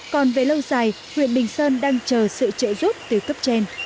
còn về lâu dài huyện bình sơn đang chờ sự trợ giúp